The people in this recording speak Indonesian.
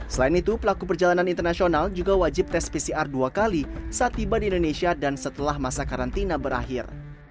selain itu pelaku perjalanan internasional juga wajib tes pcr dua kali saat tiba di indonesia dan setelah masa karantina berakhir